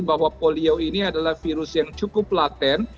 bahwa polio ini adalah virus yang cukup laten